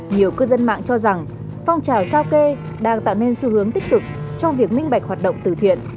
nhiều cư dân mạng cho rằng phong trào sao kê đang tạo nên xu hướng tích cực trong việc minh bạch hoạt động từ thiện